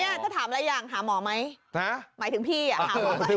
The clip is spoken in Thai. นี่ถ้าถามอะไรอย่างหาหมอมั้ยหมายถึงพี่หาหมอมั้ย